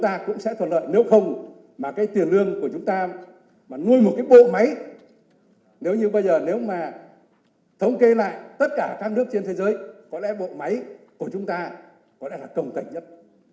tất cả các nước trên thế giới có lẽ bộ máy của chúng ta có lẽ là công tình nhất